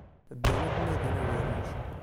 Ddan ad d-nadin agerruj.